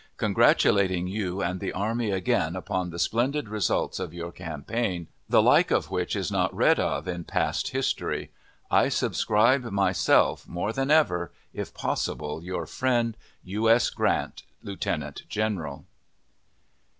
Congratulating you and the army again upon the splendid results of your campaign, the like of which is not read of in past history, I subscribe myself, more than ever, if possible, your friend, U. S. GRANT, Lieutenant General.